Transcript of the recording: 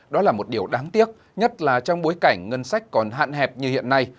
đó là một điều đáng tiếc nhất là trong bối cảnh ngân sách còn hạn hẹp như hiện nay